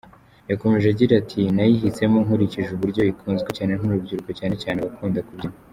Yakomeje agira ati "Nayihisemo nkurikije uburyo ikunzwe cyane n’urubyiruko cyane cyane abakunda kubyina.